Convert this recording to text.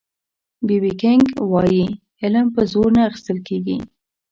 بي بي کېنګ وایي علم په زور نه اخيستل کېږي